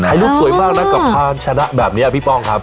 ลูกสวยมากนะกับความชนะแบบนี้พี่ป้องครับ